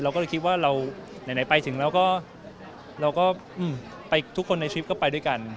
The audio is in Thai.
ก็เลยคิดว่าเราไหนไปถึงเราก็ทุกคนในทริปก็ไปด้วยกัน